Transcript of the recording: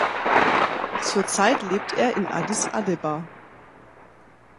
Zurzeit lebt er in Addis Abeba.